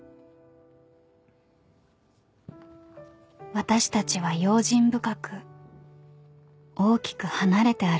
［私たちは用心深く大きく離れて歩きました］